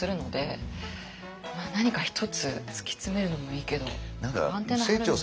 何か１つ突き詰めるのもいいけどアンテナ張るのも。